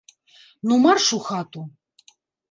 Ну, марш у хату.